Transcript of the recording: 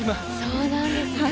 そうなんですか。